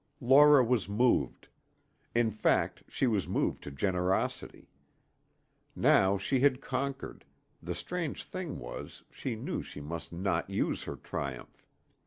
Laura was moved. In fact, she was moved to generosity. Now she had conquered, the strange thing was, she knew she must not use her triumph.